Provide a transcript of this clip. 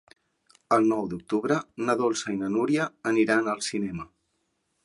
El nou d'octubre na Dolça i na Núria aniran al cinema.